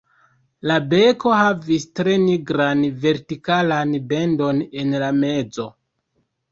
La beko havis tre nigran vertikalan bendon en la mezo.